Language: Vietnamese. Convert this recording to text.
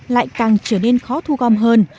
lại càng trở nên khó thu gom hơn